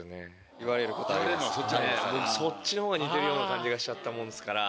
僕そっちのほうが似てるような感じがしちゃったもんですから。